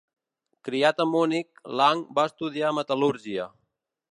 Criat a Munic, Lang va estudiar metal·lúrgia.